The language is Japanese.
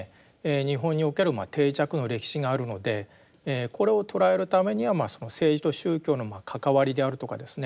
日本における定着の歴史があるのでこれを捉えるためには政治と宗教の関わりであるとかですね